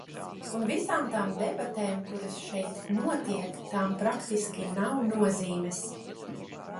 Un visām tām debatēm, kuras šeit notiek, tām praktiski nav nozīmes.